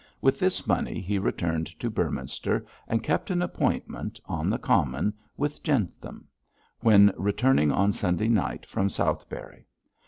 With this money he returned to Beorminster and kept an appointment, on the common, with Jentham, when returning on Sunday night from Southberry.